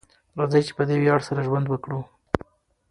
راځئ چې په دې ویاړ سره ژوند وکړو.